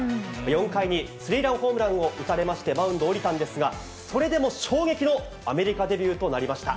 ４回にスリーランホームランを打たれまして、マウンドを降りたんですが、それでも衝撃のアメリカデビューとなりました。